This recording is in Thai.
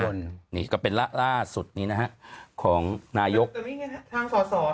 บนนี่ก็เป็นล่าล่าสุดนี้นะฮะของนายกแต่นี่ไงฮะทางสอสอ